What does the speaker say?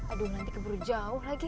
aduh nanti keburu jauh lagi